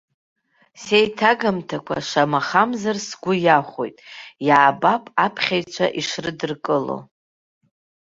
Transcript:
Сеиҭагамҭақәа, шамахамзар, сгәы иахәоит, иаабап аԥхьаҩцәа ишрыдыркыло.